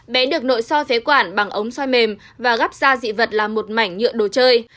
bé được nội soi phế quản bằng ống soi mềm và gắp ra dị vật là một mảnh nhựa đồ chơi